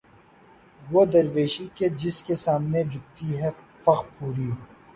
وہ درویشی کہ جس کے سامنے جھکتی ہے فغفوری